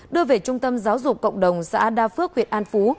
để trung tâm giáo dục cộng đồng xã đa phước huyện an phú